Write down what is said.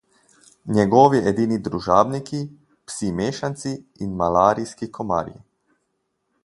Njegovi edini družabniki, psi mešanci in malarijski komarji.